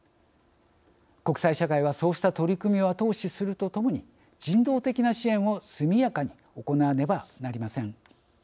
国際社会は、そうした取り組みを後押しするとともに人道的な支援を速やかに行わねばなりません。